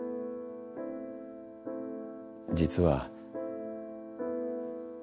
実は。